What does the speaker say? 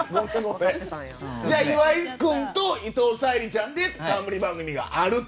岩井君と伊藤沙莉ちゃんで冠番組があると。